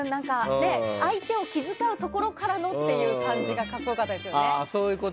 相手を気遣うところからのっていう感じが格好良かったですね。